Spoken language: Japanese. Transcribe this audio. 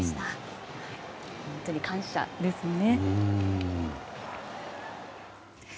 本当に感謝ですね。